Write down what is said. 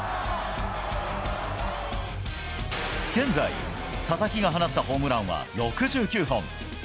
現在、佐々木が放ったホームランは６９本。